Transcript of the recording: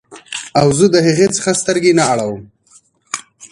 او زه د هغې څخه سترګې نه اړوم